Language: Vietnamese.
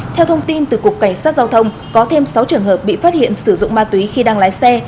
theo thông tin từ cục cảnh sát giao thông có thêm sáu trường hợp bị phát hiện sử dụng ma túy khi đang lái xe